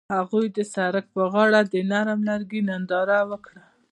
هغوی د سړک پر غاړه د نرم لرګی ننداره وکړه.